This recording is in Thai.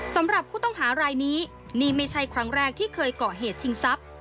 สำหรับผู้ต้องหารายนี้นี่ไม่ใช่ครั้งแรกที่เคยเกาะเหตุชิงทรัพย์